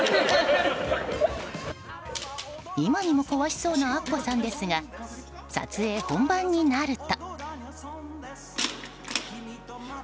今にも壊しそうなアッコさんですが撮影本番になると。